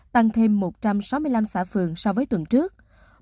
tăng thêm một trăm sáu mươi năm xã phường so với tuần trước